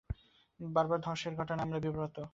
বারবার ধসের ঘটনায় আমরাও বিব্রত।